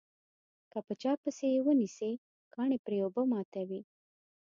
که په چا پسې یې ونسي کاڼي پرې اوبه ماتوي.